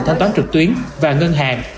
thanh toán trực tuyến và ngân hàng